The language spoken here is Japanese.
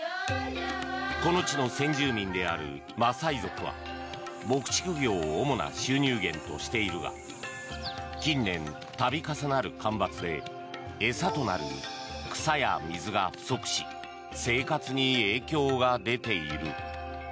この地の先住民であるマサイ族は牧畜業を主な収入源としているが近年、度重なる干ばつで餌となる草や水が不足し生活に影響が出ている。